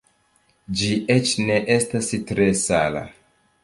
Ĝi eĉ ne estas tre sala.